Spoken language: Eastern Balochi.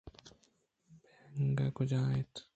بینگ کجا اِنت؟